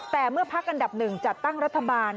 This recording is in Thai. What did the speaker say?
แต่เมื่อพักอันดับหนึ่งจัดตั้งรัฐบาล